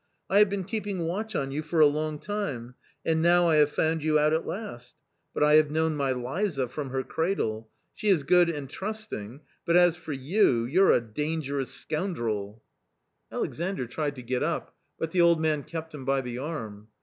I have been keeping watch on you for a long time, and now I have found you out at last ; but I have known my Liza from her cradle ; she is good a"nd trusting, but as for you, you're a dangerous scoundrel." A COMMON STORY 219 Alexandr tried to get up, but the old man kept him by the arm.